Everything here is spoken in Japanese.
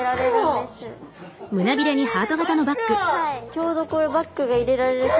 ちょうどこれバッグが入れられるサイズ。